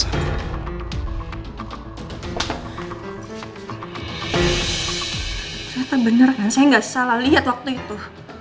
ternyata bener kan saya gak salah liat waktu itu